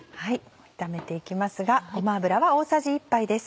炒めて行きますがごま油は大さじ１杯です。